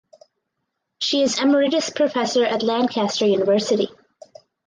She is Emeritus Professor at Lancaster University.